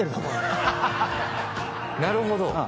なるほど。